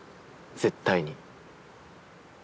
絶対に。